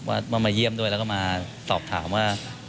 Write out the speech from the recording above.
ว่ามาเยี่ยมด้วยแล้วก็มาสอบถามว่า